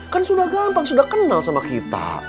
kan sudah gampang sudah kenal sama kita